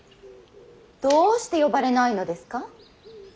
どうして呼ばれないのですか。